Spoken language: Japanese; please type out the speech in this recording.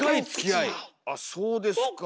あっそうですか。